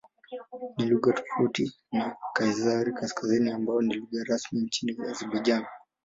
Ni lugha tofauti na Kiazeri-Kaskazini ambayo ni lugha rasmi nchini Azerbaijan.